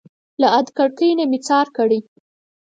له ادکړکۍ نه مي ځار کړى